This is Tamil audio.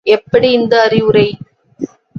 எப்படி இந்த அறிவுரை!